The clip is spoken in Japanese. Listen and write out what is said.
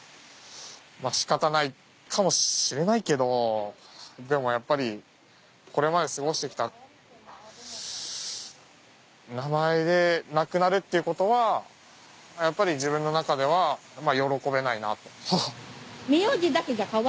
仕方ないかもしれないけどでもやっぱりこれまで過ごして来た名前でなくなるっていうことはやっぱり自分の中では喜べないなって。